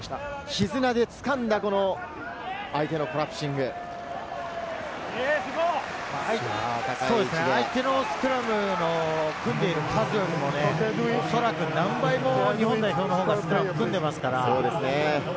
絆で掴んだ、相手のコラ相手のスクラムを組んでる数よりも、おそらく何倍も日本代表の方がスクラムを組んでますから。